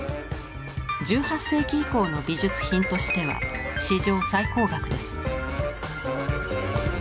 １８世紀以降の美術品としては史上最高額です。